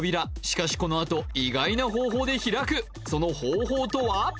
しかしこのあと意外な方法で開くその方法とは？